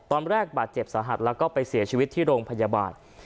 ตอนแรกบาดเจ็บสาหัสแล้วก็ไปเสียชีวิตที่โรงพยาบาล